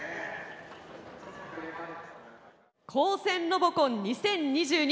「高専ロボコン２０２２